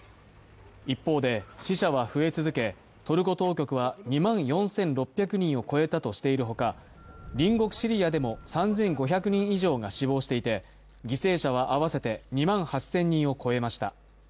一方で死者は増え続け、トルコ当局は２万４６００人を超えたとしている他、隣国シリアでも３５００人以上が死亡していて犠牲者は合わせて２万８０００人を超えました。